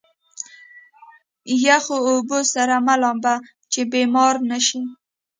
يخو اوبو سره مه لامبه چې بيمار نه شې.